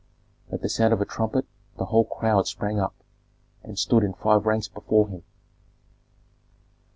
At the sound of a trumpet the whole crowd sprang up, and stood in five ranks before him.